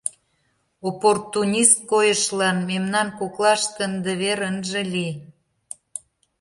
Оппортунист койышлан мемнан коклаште ынде вер ынже лий!